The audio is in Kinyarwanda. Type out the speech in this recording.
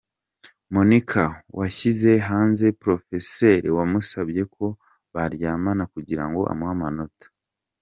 Monica washyize hanze profeseri wamusabye ko baryamana kugira ngo amuhe amanota.